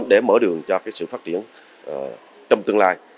để mở đường cho sự phát triển trong tương lai